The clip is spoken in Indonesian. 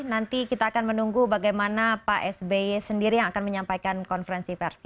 nanti kita akan menunggu bagaimana pak sby sendiri yang akan menyampaikan konferensi pers